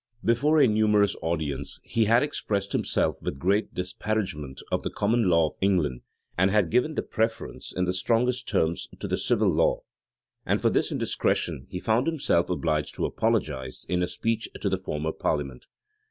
Before a numerous audience, he had expressed himself with great disparagement of the common law of England, and had given the preference, in the strongest terms, to the civil law: and for this indiscretion he found himself obliged to apologize, in a speech to the former parliament.